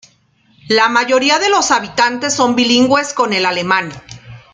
La mayoría de los hablantes son bilingües con el alemán.